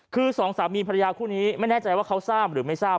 คือสองสามีภรรยาคู่นี้ไม่แน่ใจว่าเขาทราบหรือไม่ทราบ